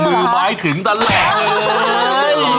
มือมาให้ถึงตั้งแหละเลย